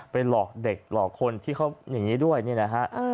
หลอกเด็กหลอกคนที่เขาอย่างนี้ด้วยนี่นะฮะ